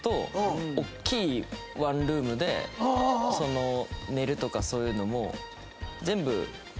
寝るとかそういうのも。